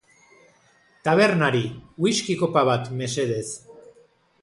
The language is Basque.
Tabernari, whisky-kopa bat, mesedez.